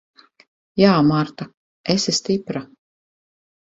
Jā, Marta. Esi stipra.